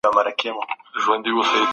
د اسلام نظام د بیکارۍ مخالف دی.